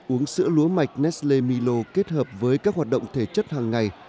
uống sữa lúa mạch nesle milo kết hợp với các hoạt động thể chất hàng ngày